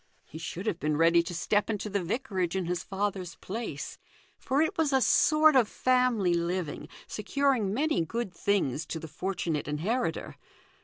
He should have been ready to THE GOLDEN RULE. 277 step into the vicarage in his father's place, for it was a sort of family living, securing many good things to the fortunate inheritor.